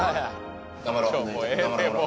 頑張ろう。